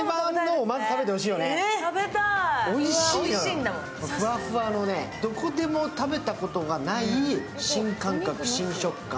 おいしい、ふわふわのね、どこでも食べたことがない新感覚、新食感。